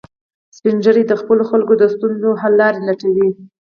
سپین ږیری د خپلو خلکو د ستونزو حل لارې لټوي